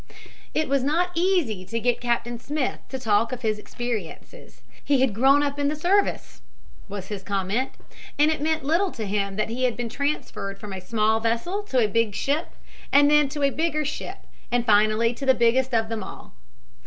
It was not easy to get Captain Smith to talk of his experiences. He had grown up in the service, was his comment, and it meant little to him that he had been transferred from a small vessel to a big ship and then to a bigger ship and finally to the biggest of them all.